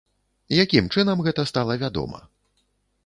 Якім чынам гэта стала вядома?